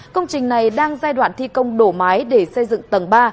công trình này đang giai đoạn thi công đổ mái để xây dựng tầng ba